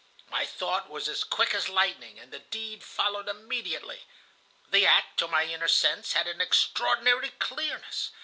My thought was as quick as lightning, and the deed followed immediately. The act, to my inner sense, had an extraordinary clearness.